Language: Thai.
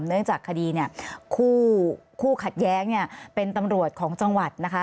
เนื่องจากคดีเนี่ยคู่ขัดแย้งเนี่ยเป็นตำรวจของจังหวัดนะคะ